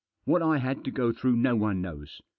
What I had to go through no one knows.